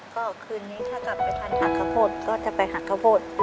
ก็คืนนี้ถ้ากลับไปทันหาขะโพดก็จะไปหาขะโพด